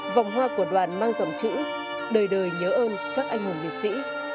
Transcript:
vòng hoa của đoàn mang dòng chữ đời đời nhớ ơn các anh hùng liệt sĩ